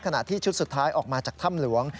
ขณะที่ชุดสุดท้ายออกมาจากถ้ำหลวง